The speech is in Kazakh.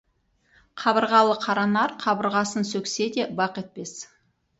Қабырғалы қара нар қабырғасын сөксе де, бақ етпес.